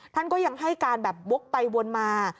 ท่านก็ยังให้การแบบวกไปวนมา